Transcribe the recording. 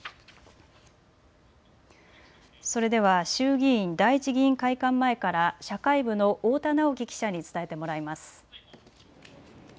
それでは衆議院第一議員会館前から社会部の太田直希記者に伝えてもらいます。